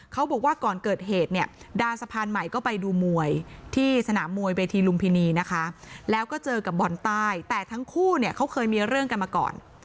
เขาบอกว่าก่อนเกิดเหตุเนี่ยดานสะพานใหม่ก็ไปดูมวยที่สนามมวยเวทีลุมพินีนะคะแล้วก็เจอกับบอลใต้แต่ทั้งคู่เนี่ยเขาเคยมีเรื่องกันมาก่อน